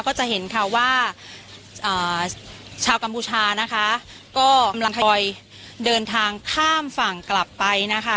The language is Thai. ก็จะเห็นค่ะว่าชาวกัมพูชานะคะก็กำลังคอยเดินทางข้ามฝั่งกลับไปนะคะ